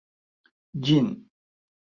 ĝin